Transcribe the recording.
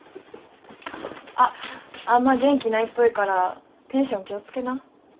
あっあんま元気ないっぽいからテンション気を付けな。